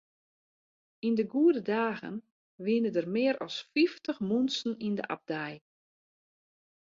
Yn de goede dagen wiene der mear as fyftich muontsen yn de abdij.